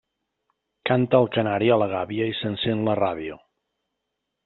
Canta el canari a la gàbia i s'encén la ràdio.